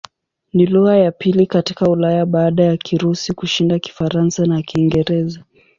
Ni lugha ya pili katika Ulaya baada ya Kirusi kushinda Kifaransa na Kiingereza.